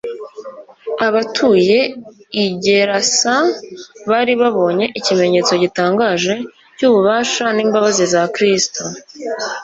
Abatuye i Gerasa bari babonye ikimenyetso gitangaje cy'ububasha n'imbabazi za Kristo.